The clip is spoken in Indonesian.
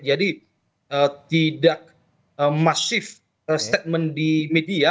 jadi tidak masif statement di media